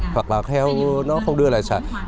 hoặc là heo nó không đưa lại